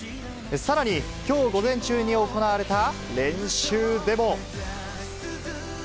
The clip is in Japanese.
さらに、きょう午前中に行われた練習でも。